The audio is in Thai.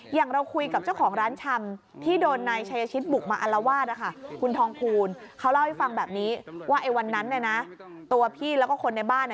อย่างเราคุยกับเจ้าของร้านชำ